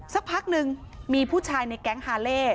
สักพักหนึ่งมีผู้ชายในแก๊งฮาเล่